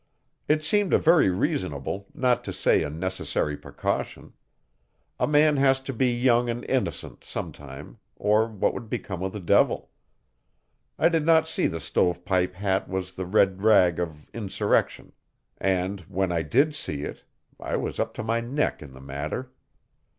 It seemed a very reasonable, not to say a necessary precaution. A man has to be young and innocent sometime or what would become of the Devil. I did not see that the stove pipe hat was the red rag of insurrection and, when I did see it' I was up to my neck in the matter.